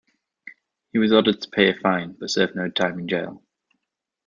He was ordered to pay a fine, but served no time in jail.